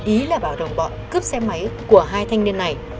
ý là bảo đồng bọn cướp xe máy của hai thanh niên này